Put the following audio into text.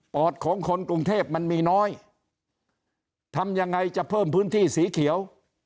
อดของคนกรุงเทพมันมีน้อยทำยังไงจะเพิ่มพื้นที่สีเขียว